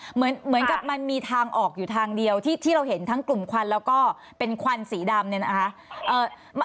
เหมือนกับมันมีทางออกอยู่ทางเดียวที่เราเห็นทั้งกลุ่มควันแล้วก็เป็นควันสีดำเนี่ยนะคะ